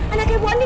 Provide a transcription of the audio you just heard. anak ibu andi